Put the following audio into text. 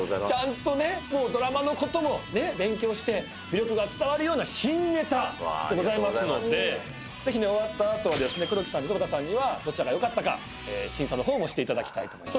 ちゃんとねドラマのことも勉強して魅力が伝わるような新ネタございますのでぜひ終わった後はですね黒木さん溝端さんにはどちらがよかったか審査の方もしていただきたいと。